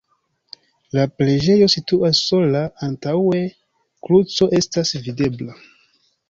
La preĝejo situas sola, antaŭe kruco estas videbla.